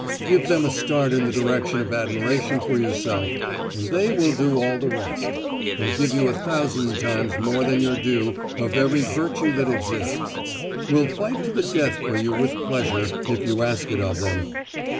Give them a start in the direction of admiration for yourself, and they will do all the rest, and give you a thousand times more than your due of every virtue that exists; will fight to the death for you with pleasure, if you ask it of them.